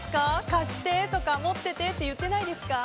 貸してとか、持っていてって言っていないですか？